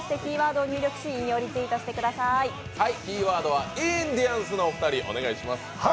キーワードはインディアンスの２人、お願いします。